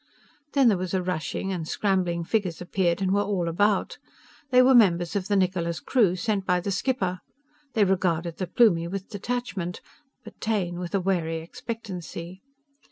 _" Then there was a rushing, and scrambling figures appeared and were all about. They were members of the Niccola's crew, sent by the skipper. They regarded the Plumie with detachment, but Taine with a wary expectancy.